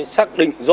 xác định rõ